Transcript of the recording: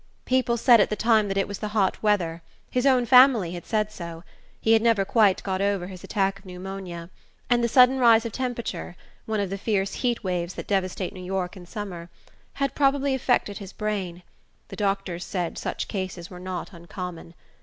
People said at the time that it was the hot weather his own family had said so: he had never quite got over his attack of pneumonia, and the sudden rise of temperature one of the fierce "heat waves" that devastate New York in summer had probably affected his brain: the doctors said such cases were not uncommon....